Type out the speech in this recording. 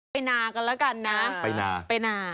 ไปหนากันแล้วกันนะ